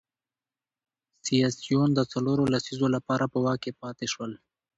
سیاسیون د څلورو لسیزو لپاره په واک کې پاتې شول.